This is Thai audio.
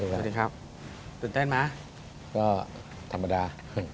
ตื่นเต้นไหมก็ธรรมดา